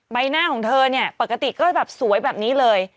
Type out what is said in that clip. ใบหน้าของเธอปกติก็สวยแบบนี้เลย